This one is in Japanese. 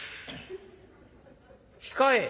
「控え。